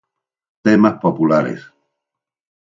Temas Populares